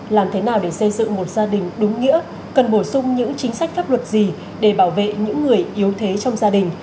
làm thế nào để xây dựng một gia đình đúng nghĩa cần bổ sung những chính sách pháp luật gì để bảo vệ những người yếu thế trong gia đình